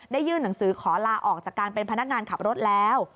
ยื่นหนังสือขอลาออกจากการเป็นพนักงานขับรถแล้ว